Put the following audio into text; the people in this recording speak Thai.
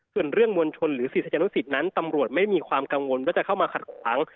ส่วนเรื่องมวลชนหรือศิษยานุสิตนั้นตำรวจไม่มีความกังวลว่าจะเข้ามาขัดขวาง